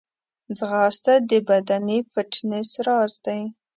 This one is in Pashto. ځغاسته د بدني فټنس راز دی